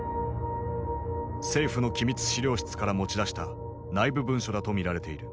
政府の機密資料室から持ち出した内部文書だと見られている。